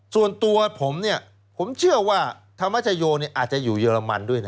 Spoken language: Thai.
ส่วนตัวผมเนี่ยผมเชื่อว่าธรรมชโยอาจจะอยู่เยอรมันด้วยนะ